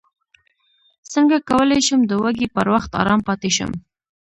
څنګه کولی شم د وږي پر وخت ارام پاتې شم